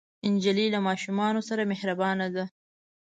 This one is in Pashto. نجلۍ له ماشومانو سره مهربانه ده.